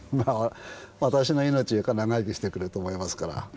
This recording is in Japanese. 私の命よりか長生きしてくれると思いますから。